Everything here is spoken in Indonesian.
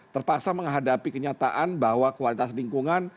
terpaksa menghadapi kenyataan bahwa kualitas lingkungan